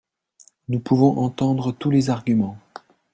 Nous pouvons entendre tous les arguments.